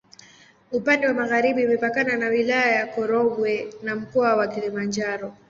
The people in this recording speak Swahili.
Upande wa magharibi imepakana na Wilaya ya Korogwe na Mkoa wa Kilimanjaro.